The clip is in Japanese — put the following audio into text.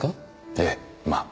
ええまあ。